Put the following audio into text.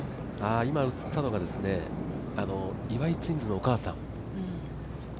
今、映ったのが岩井ツインズのお母さん。